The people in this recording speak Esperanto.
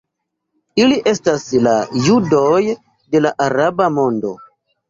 Ili estas la judoj de la araba mondo.